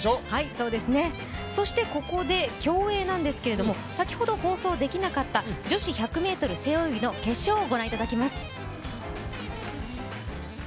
そしてここで競泳なんですけども先ほど放送できなかった女子１００ｍ背泳ぎの決勝をご覧いただきます。